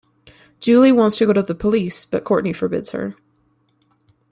Julie wants to go to the police, but Courtney forbids her.